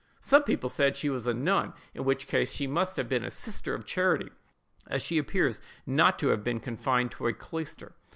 Some people said she was a nun, in which case she must have been a sister of charity, as she appears not to have been confined to a cloister.